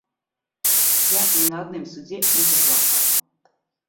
Я не на адным судзе не заплакала.